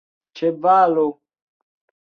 ĉevalo